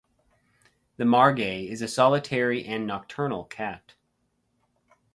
The margay is a solitary and nocturnal cat.